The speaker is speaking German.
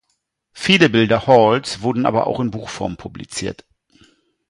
Viele Bilder Halls wurden aber auch in Buchform publiziert.